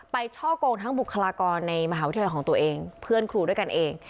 ช่อกงทั้งบุคลากรในมหาวิทยาลัยของตัวเองเพื่อนครูด้วยกันเอง